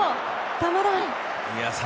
たまらん。